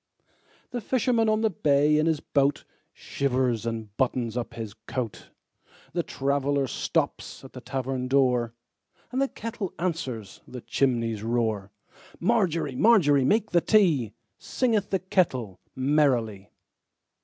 The fisherman on the bay in his boatShivers and buttons up his coat; The traveller stops at the tavern door, And the kettle answers the chimney's roar. Margery, Margery, make the tea, Singeth the kettle merrily.